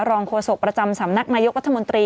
โฆษกประจำสำนักนายกรัฐมนตรี